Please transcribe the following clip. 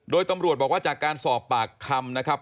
โดยตำรวจบอกว่าจากการสอบปากคำนะครับ